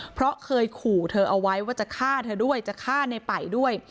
เพราะเคยขู่เธอเอาไว้ว่าจะฆ่าเธอด้วยจะฆ่าในป่ายด้วย